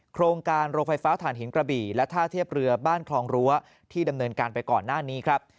โครงการโรงไฟฟ้าฐานหินกระบี่และท่าเทียบเรือบ้านคลองรั้วที่ดำเนินการไปก่อนหน้านี้ครับ